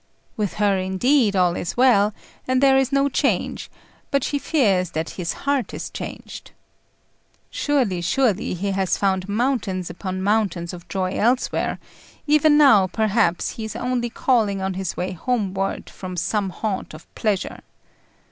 With her, indeed, all is well, and there is no change; but she fears that his heart is changed. Surely, surely he has found mountains upon mountains of joy elsewhere, even now, perhaps, he is only calling on his way homeward from some haunt of pleasure.